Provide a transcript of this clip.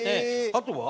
あとは？